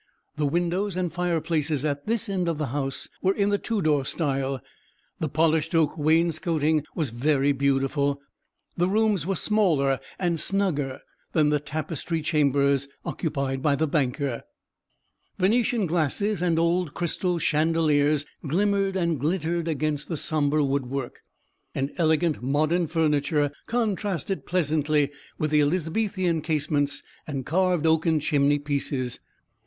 The windows and fireplaces at this end of the house were in the Tudor style; the polished oak wainscoting was very beautiful; the rooms were smaller and snugger than the tapestried chambers occupied by the banker; Venetian glasses and old crystal chandeliers glimmered and glittered against the sombre woodwork: and elegant modern furniture contrasted pleasantly with the Elizabethan casements and carved oaken chimney pieces.